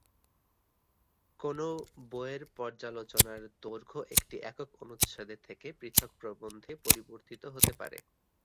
কোনও বইয়ের পর্যালোচনার দৈর্ঘ্য একটি একক অনুচ্ছেদে থেকে পৃথক প্রবন্ধে পরিবর্তিত হতে পারে।